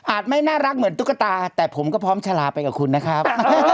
ไม่น่ารักเหมือนตุ๊กตาแต่ผมก็พร้อมชะลาไปกับคุณนะครับ